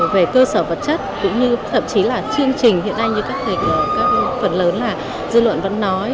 về cơ sở vật chất cũng như thậm chí là chương trình hiện nay như các phần lớn là dư luận vẫn nói